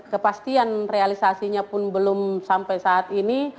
kepastian realisasinya pun belum sampai saat ini